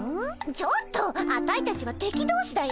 ちょっとアタイたちは敵どうしだよ。